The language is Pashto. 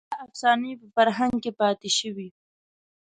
دا افسانې په فرهنګ کې پاتې شوې.